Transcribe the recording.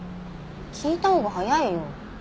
聞いたほうが早いよ。